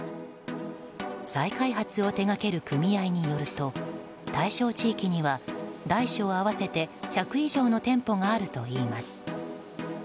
再開発を手掛ける組合によると対象地域には大小合わせて１００以上の店舗があるといいます。